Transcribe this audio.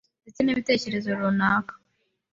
ndetse n’ibitekerezo runaka,